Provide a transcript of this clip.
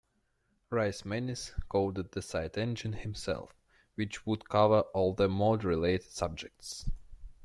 Reismanis coded the site engine himself, which would cover all of the mod-related subjects.